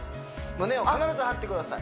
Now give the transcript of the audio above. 胸を必ず張ってください